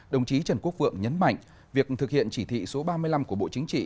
đồng chí trần quốc vượng nhấn mạnh việc thực hiện chỉ thị số ba mươi năm của bộ chính trị